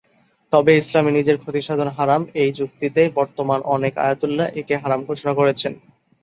তবে ইসলামে নিজের ক্ষতিসাধন হারাম এই যুক্তিতে বর্তমান অনেক আয়াতুল্লাহ একে হারাম ঘোষণা করেছেন।